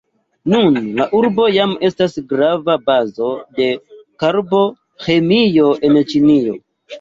Nun la urbo jam estas grava bazo de Karbo-ĥemio en Ĉinio.